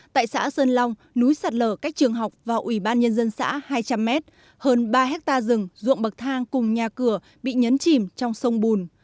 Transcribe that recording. tại xã sơn long núi sạt lở cách trường học và ủy ban nhân dân xã hai trăm linh m hơn ba hectare rừng ruộng bậc thang cùng nhà cửa bị nhấn chìm trong sông bùn